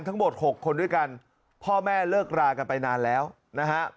ทั้งหมดหกคนด้วยกันพ่อแม่เลิกรากันไปนานแล้วนะฮะ